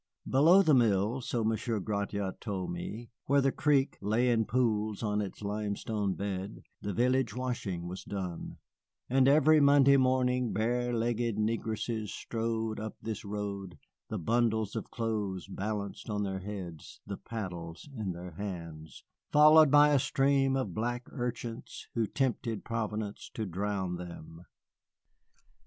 Below the mill, so Monsieur Gratiot told me, where the creek lay in pools on its limestone bed, the village washing was done; and every Monday morning bare legged negresses strode up this road, the bundles of clothes balanced on their heads, the paddles in their hands, followed by a stream of black urchins who tempted Providence to drown them.